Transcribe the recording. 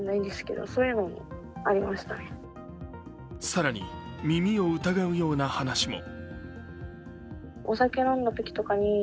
更に耳を疑うような話も。